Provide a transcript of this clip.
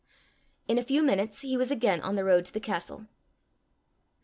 In a few minutes he was again on the road to the castle.